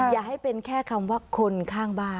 อย่าให้เป็นแค่คำว่าคนข้างบ้าน